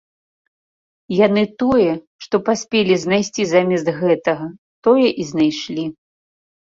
Яны тое, што паспелі знайсці замест гэтага, тое і знайшлі.